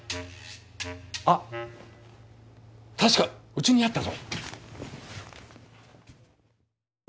あっ確かうちにあったぞ！